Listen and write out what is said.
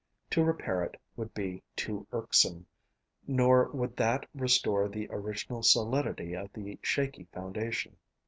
To repair it would be too irksome, nor would that restore the original solidity of the shaky foundation.